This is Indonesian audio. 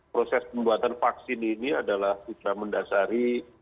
proses pembuatan vaksin ini adalah sudah mendasari